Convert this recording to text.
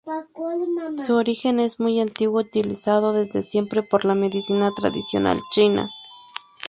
Su origen es muy antiguo, utilizado desde siempre por la medicina tradicional china.